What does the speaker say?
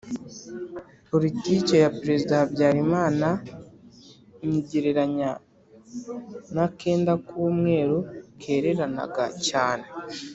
Politike ya Prezida Habyarimana nyigereranya n'akenda k'umweru kererenaga cyane